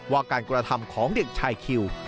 ว่าการกระทำของเด็กชายคิว